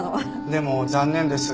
でも残念です。